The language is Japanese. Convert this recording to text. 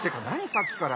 さっきから。